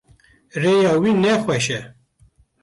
Rêya wî ne xweş e.